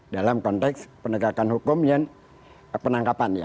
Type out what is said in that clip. dalam konteks penegakan hukum dan penangkapan ya